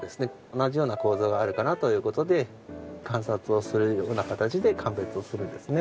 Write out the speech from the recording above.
同じような構造があるかなという事で観察をするような形で鑑別をするんですね。